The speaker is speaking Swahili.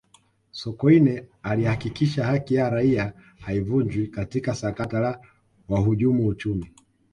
sokoine alihakikisha haki ya raia haivunjwi katika sakata la wahujumu uchumi